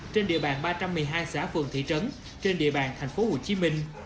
trên địa bàn ba trăm một mươi hai xã phường thị trấn trên địa bàn tp hcm